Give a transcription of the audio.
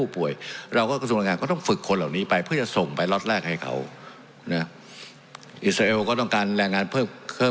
สวัสดีสวัสดีสวัสดีสวัสดีสวัสดีสวัสดีสวัสดี